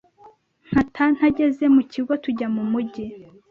Nkata ntageze mu kigo tujya mu mujyi